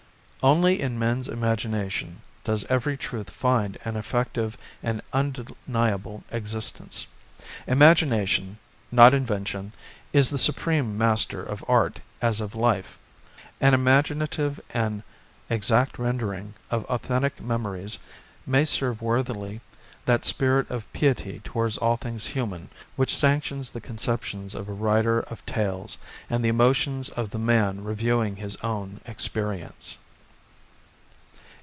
Only in men's imagination does every truth find an effective and undeniable existence. Imagination, not invention, is the supreme master of art as of life. An imaginative and exact rendering of authentic memories may serve worthily that spirit of piety towards all things human which sanctions the conceptions of a writer of tales, and the emotions of the man reviewing his own experience.